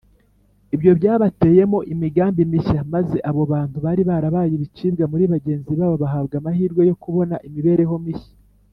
ibyo byabateyemo imigambi mishya maze abo bantu bari barabaye ibicibwa muri bagenzi babo bahabwa amahirwe yo kubona imibereho mishya